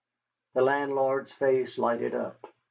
The landlord's face lighted up.